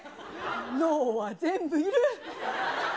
脳は全部いる。